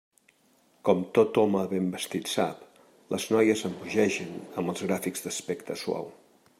Com tot home ben vestit sap, les noies embogeixen amb els gràfics d'aspecte suau.